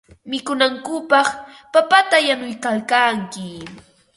Mikunankupaq papata yanuykalkanki.